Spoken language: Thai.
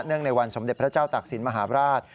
เนื่องในวันสมเด็จพระเจ้าตากศิลป์มหาวราช